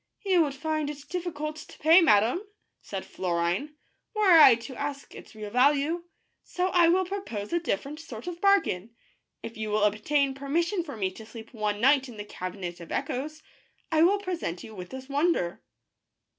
"You would find it difficult to pay, madame," said Florine, " were I to ask its real value, so I will propose a different sort ot bargain. If you will obtain permission for me to sleep one night in the Cabinet of Echoes, I will present you with this wonder."